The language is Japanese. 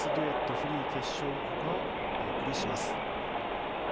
・フリー決勝ほかをお送りします。